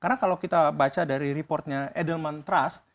karena kalau kita baca dari reportnya edelman trust